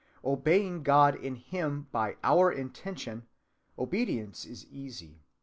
Obeying God in him by our intention, obedience is easy.